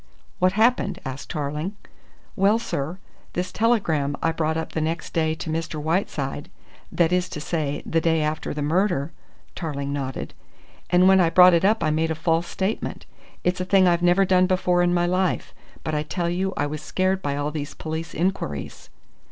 "What happened?" asked Tarling. "Well, sir, this telegram I brought up the next day to Mr. Whiteside that is to say, the day after the murder " Tarling nodded. "And when I brought it up I made a false statement. It's a thing I've never done before in my life, but I tell you I was scared by all these police inquiries."